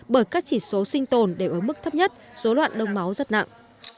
bởi các chỉ số sinh tồn đều ở mức thấp nhất dối loạn đông máu rất nặng